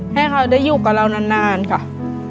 ให้เขาได้อยู่กับเรานานค่ะ